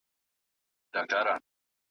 قانون پر ټولو برابر تطبیقېږي.